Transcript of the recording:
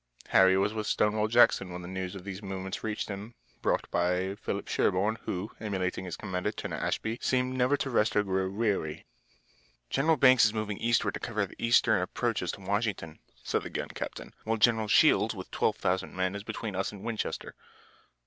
Harry was with Stonewall Jackson when the news of these movements reached them, brought by Philip Sherburne, who, emulating his commander, Turner Ashby, seemed never to rest or grow weary. "General Banks is moving eastward to cover the eastern approaches to Washington," said the young captain, "while General Shields with 12,000 men is between us and Winchester."